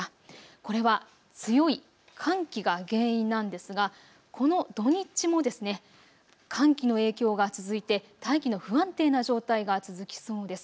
これは強い寒気が原因なんですがこの土日も寒気の影響が続いて、大気の不安定な状態が続きそうです。